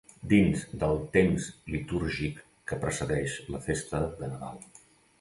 Dins del temps litúrgic que precedeix la festa de Nadal.